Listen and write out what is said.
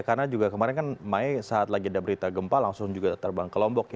karena juga kemarin kan mai saat lagi ada berita gempa langsung juga terbang ke lombok ya